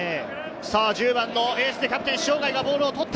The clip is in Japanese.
１０番のエースでキャプテン・塩貝、ボールを取った。